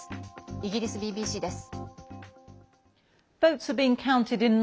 イギリスＢＢＣです。